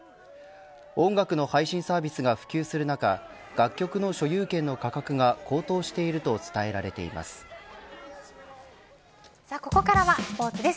音楽の配信サービスが普及する中楽曲の所有権の価格が高騰していると伝えられています。